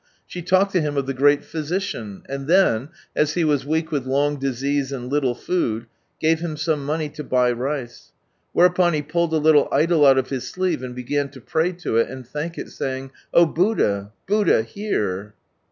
She talked to him of the great Physician, and then, as he was weak with long disease and little food, gave him some money to buy lice ; whereupon he pulled a little idol out of his sleeve, and began to pray to it, and thank it, saying, "Oh Buddha I Buddha, hear !